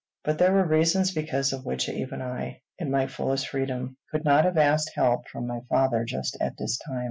But there were reasons because of which even I, in my fullest freedom, could not have asked help from my father just at this time.